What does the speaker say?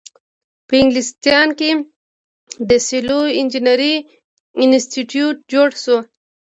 په انګلستان کې د سیول انجینری انسټیټیوټ جوړ شو.